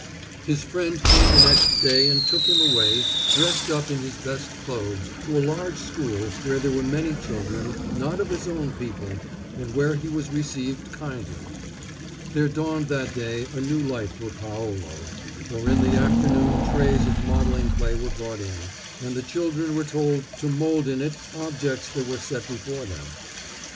His friend came the next day and took him away, dressed up in his best clothes, to a large school where there were many children, not of his own people, and where he was received kindly. There dawned that day a new life for Paolo, for in the afternoon trays of modeling clay were brought in, and the children were told to mold in it objects that were set before them.